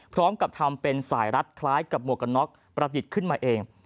พร้อมกับทำเป็นสายรัดคล้ายกับหมวกกันน็อกประดิษฐ์ขึ้นมาเอง